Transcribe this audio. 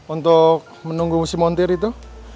untuk menunggu musim montir itu